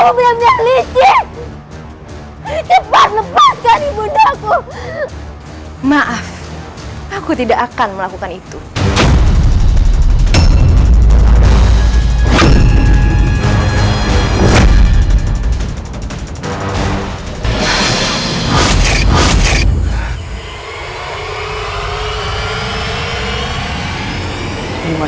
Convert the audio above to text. sampai jumpa di video selanjutnya